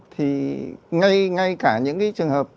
thì ngay cả những cái trường hợp